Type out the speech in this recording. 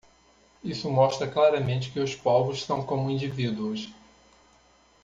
Isso mostra claramente que os povos são como indivíduos.